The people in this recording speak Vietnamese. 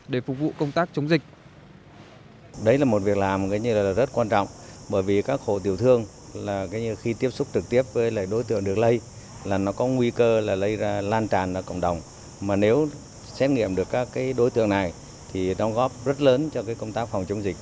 để phục vụ công tác chống dịch